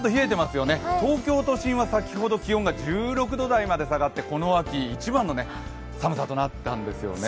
東京都心は先ほど気温が１６度台まで下がってこの秋一番の寒さとなったんですね。